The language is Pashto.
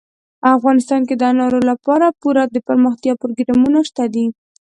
افغانستان کې د انارو لپاره پوره دپرمختیا پروګرامونه شته دي.